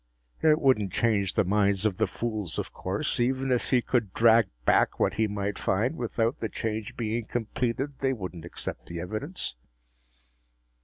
It wouldn't change the minds of the fools, of course. Even if he could drag back what he might find, without the change being completed, they wouldn't accept the evidence.